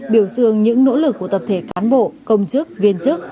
biểu dương những nỗ lực của tập thể cán bộ công chức viên chức